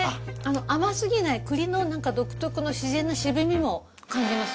甘すぎない栗の独特の自然の渋みも感じます。